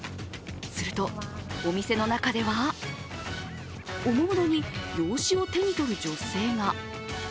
すると、お店の中ではおもむろに用紙を手に取る女性が。